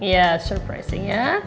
ya surprising ya